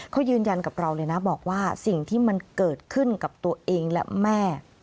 เขายืนยันกับเราเลยนะบอกว่าสิ่งที่มันเกิดขึ้นกับตัวเองและแม่